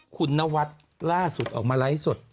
คุณนวัดล่าสุดออกมาไลฟ์สด